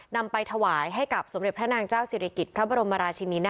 นำไปถวายให้กับสมเด็จพระนางเจ้าศิริกิจพระบรมราชินินา